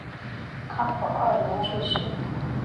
康保二年去世。